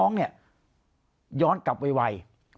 เสียชีวิต